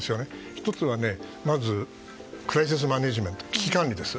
１つはまずクライシスマネジメント危機管理です。